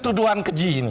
itu tuduhan keji ini